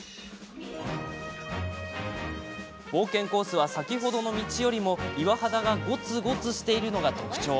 冒険コースは先ほどの道よりも岩肌がごつごつしているのが特徴。